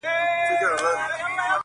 لا پر سوځلو ښاخلو پاڼي لري٫